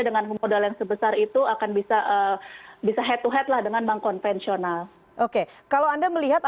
dengan modal yang sebesar itu akan bisa bisa head to head lah dengan bank konvensional oke kalau anda melihat